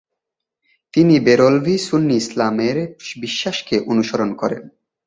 তিনি বেরলভী সুন্নি ইসলামের বিশ্বাসকে অনুসরণ করেন।